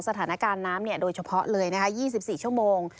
เรื่องของสถานการณ์น้ำโดยเฉพาะเลยยี่สิบสี่ชั่วโมง